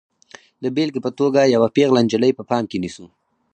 د بېلګې په توګه یوه پیغله نجلۍ په پام کې نیسو.